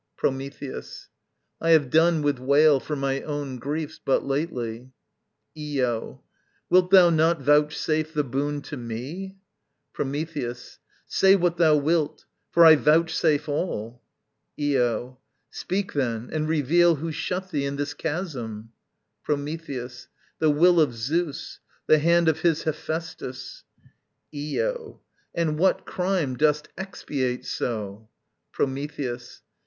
Prometheus. I have done with wail For my own griefs, but lately. Io. Wilt thou not Vouchsafe the boon to me? Prometheus. Say what thou wilt, For I vouchsafe all. Io. Speak then, and reveal Who shut thee in this chasm. Prometheus. The will of Zeus, The hand of his Hephæstus. Io. And what crime Dost expiate so? _Prometheus.